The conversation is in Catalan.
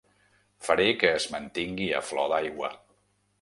Faré que es mantingui a flor d'aigua.